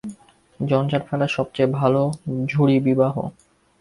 জঞ্জাল ফেলার সব-চেয়ে ভালো ঝুড়ি বিবাহ।